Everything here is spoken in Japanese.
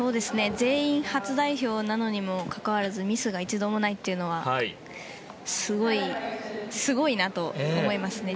全員初代表にもかかわらずミスが１つもないというのはすごいなと思いますね。